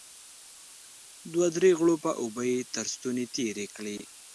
دوه درې غوړپه اوبه يې تر ستوني تېرې کړې.